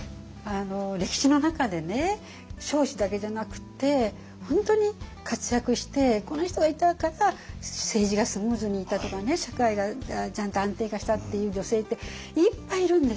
歴史の中でね彰子だけじゃなくって本当に活躍してこの人がいたから政治がスムーズにいったとかね社会がちゃんと安定化したっていう女性っていっぱいいるんですよ。